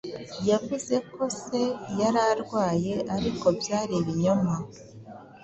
Yavuze ko se yari arwaye, ariko byari ibinyoma.